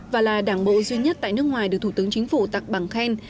và là đảng bộ duy nhất tại nước ngoài được thủ tướng chính phủ tặng bằng khen